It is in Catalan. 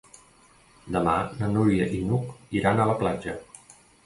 Demà na Núria i n'Hug iran a la platja.